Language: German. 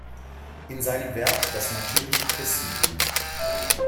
In seinem Werk "Das natürliche Christentum.